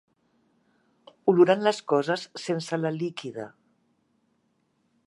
Olorant les coses sense la líquida.